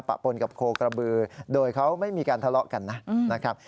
ปนกับโคกระบือโดยเขาไม่มีการทะเลาะกันนะครับ